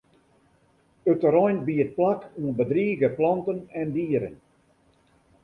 It terrein biedt plak oan bedrige planten en dieren.